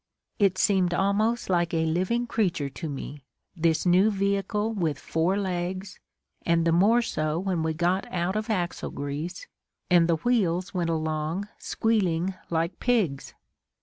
It seemed almost like a living creature to me, this new vehicle with four legs, and the more so when we got out of axle grease and the wheels went along squealing like pigs!